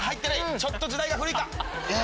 ちょっと時代が古いか。